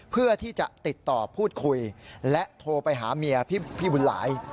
เพื่อที่จะติดต่อพูดคุยและโทรไปหาเมียพี่บุญหลาย